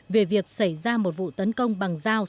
về việc xảy ra một vụ tấn công bằng dao